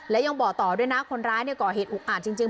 และยังบอกต่อด้วยนะคนร้ายก่อเหตุอุกอาจจริง